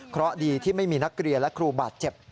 เพราะดีที่ไม่มีนักเรียนและครูบาดเจ็บ